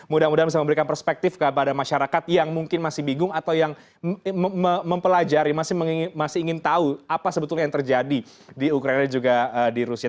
mudah mudahan bisa memberikan perspektif kepada masyarakat yang mungkin masih bingung atau yang mempelajari masih ingin tahu apa sebetulnya yang terjadi di ukraina dan juga di rusia